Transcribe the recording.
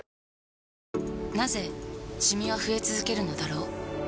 なぜシミは増え続けるのだろう